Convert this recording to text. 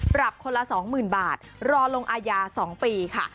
ปรับคนละ๒๐๐๐บาทรอลงอาญา๒ปีค่ะ